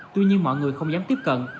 tuy nhiên mọi người không dám tiếp cận